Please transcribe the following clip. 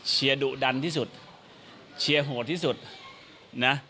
ดุดันที่สุดเชียร์โหดที่สุดนะ